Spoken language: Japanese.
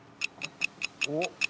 おっ！